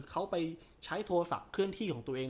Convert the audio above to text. เขาไปใช้โทรศัพท์เคลื่อนที่ของตัวเอง